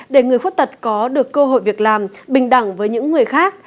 để người khuyết tật có được cơ hội việc làm bình đẳng với những người khác